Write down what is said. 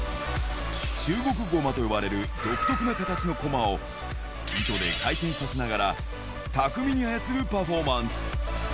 中国ゴマと呼ばれる独特な形のコマを、糸で回転させながら、巧みに操るパフォーマンス。